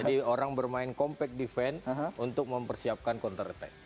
jadi orang bermain compact defense untuk mempersiapkan counter attack